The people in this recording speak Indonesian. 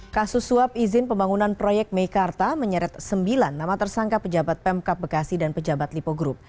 kasus suap izin pembangunan proyek meikarta menyeret sembilan nama tersangka pejabat pemkap bekasi dan pejabat lipo group